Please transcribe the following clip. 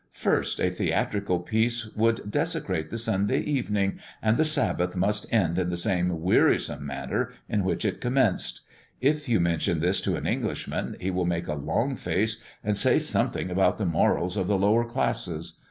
First, a theatrical piece would desecrate the Sunday evening, and the Sabbath must end in the same wearisome manner in which it commenced. If you mention this to an Englishman, he will make a long face, and say something about the morals of the lower classes.